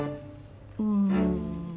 うん。